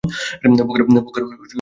বোকার বনে যাস না।